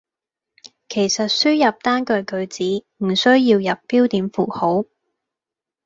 其實輸入單句句子唔需要入標點符號